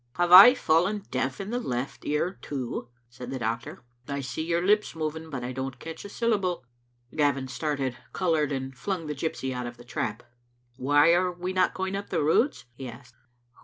'' Have I fallen deaf in the left ear, too?" said the doctor. " I see your lips moving, but I don't catch a syllable." Gavin started, coloured, and flung the gypsy out of the trap. " Why are we not going up the Roods?" he asked.